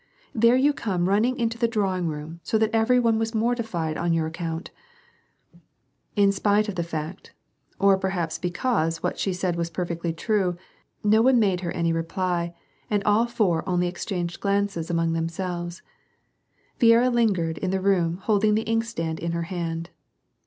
"There you came running into the drawing room, so that every one was mortified on your aocountr" In spite of the fact, or perhaps because what she said was perfectly true, no one made her any reply, and all four only exchanged glances among themselves. Viera lingered in the room holding the inkstand in her hand.